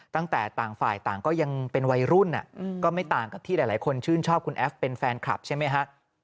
ต่างฝ่ายต่างก็ยังเป็นวัยรุ่นก็ไม่ต่างกับที่หลายคนชื่นชอบคุณแอฟเป็นแฟนคลับใช่ไหมฮะ